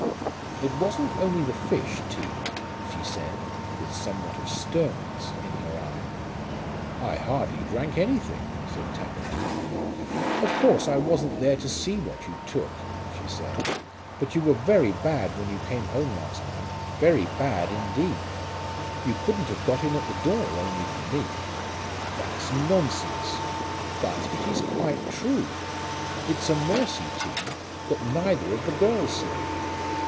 "It wasn't only the fish, T.," she said, with somewhat of sternness in her eye. "I hardly drank anything," said Tappitt. "Of course I wasn't there to see what you took," said she; "but you were very bad when you came home last night; very bad indeed. You couldn't have got in at the door only for me." "That's nonsense." "But it is quite true. It's a mercy, T., that neither of the girls saw you.